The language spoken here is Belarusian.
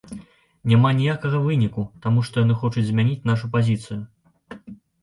Няма ніякага выніку, таму што яны хочуць змяніць нашу пазіцыю.